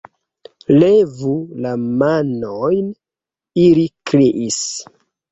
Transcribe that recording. "Levu la manojn", ili kriis.